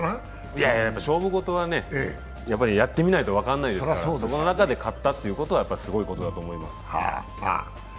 いや、やっぱ勝負ごとはやってみないと分からないですから、その中で勝ったということはすごいことだと思います。